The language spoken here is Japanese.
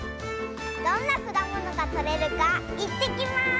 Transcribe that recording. どんなくだものがとれるかいってきます！